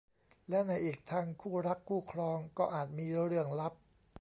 และในอีกทางคู่รักคู่ครองก็อาจมีเรื่องลับ